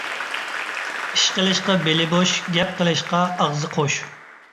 ئىش قىلىشقا بېلى بوش، گەپ قىلىشقا ئاغزى قوش.